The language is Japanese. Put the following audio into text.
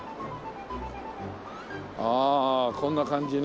ああこんな感じね。